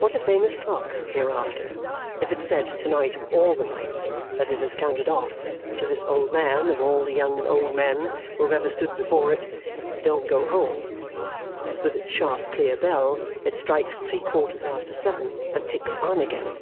What a famous clock, hereafter, if it said to night of all the nights that it has counted off, to this old man of all the young and old men who have ever stood before it, "Don't go home!" With its sharp clear bell it strikes three quarters after seven and ticks on again.